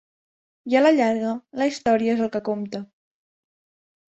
I a la llarga, la història és el que compta.